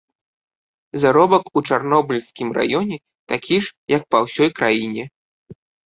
Заробак у чарнобыльскім раёне такі ж, як па ўсёй краіне.